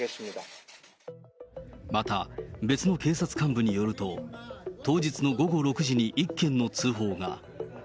また、別の警察幹部によると、当日の午後６時に１件の通報が。